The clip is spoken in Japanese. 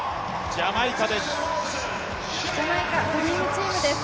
ジャマイカ、ドリームチームです。